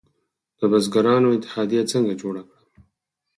د بزګرانو اتحادیه څنګه جوړه کړم؟